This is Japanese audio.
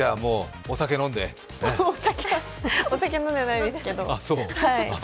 お酒飲んでないですけど。